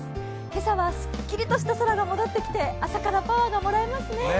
今朝はすっきりとした空が戻ってきて朝からパワーがもらえますね。